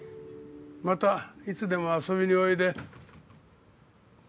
またいつでも遊びにおいで。